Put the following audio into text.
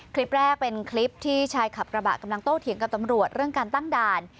คลิปแรกเป็นคลิปที่ชายขับกระบะกำลังโต้เถียงกับตำรวจเรื่องการตั้งด่าน